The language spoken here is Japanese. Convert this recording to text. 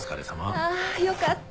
あよかった！